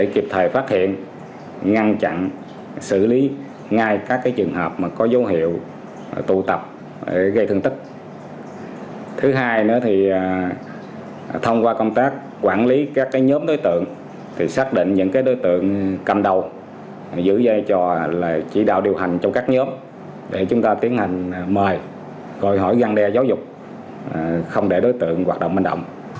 kịp thời ngăn chặn không để xảy ra vụ việc nghiêm trọng